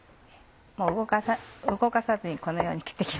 動かさずにこのように切って行きます。